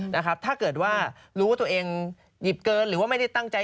นะครับถ้าเกิดว่ารู้ว่าตัวเองหยิบเกินหรือว่าไม่ได้ตั้งใจ